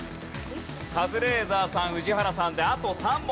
カズレーザーさん宇治原さんであと３問です。